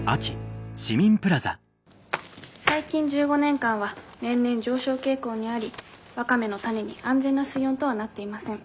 最近１５年間は年々上昇傾向にありワカメの種に安全な水温とはなっていません。